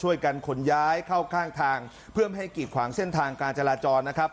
ขนย้ายเข้าข้างทางเพื่อไม่ให้กีดขวางเส้นทางการจราจรนะครับ